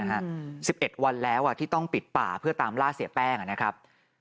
อืมสิบเอ็ดวันแล้วอ่ะที่ต้องปิดป่าเพื่อตามล่าเสียแป้งอ่ะนะครับ